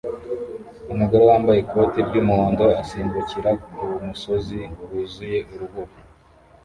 Umugore wambaye ikoti ry'umuhondo asimbukira kumusozi wuzuye urubura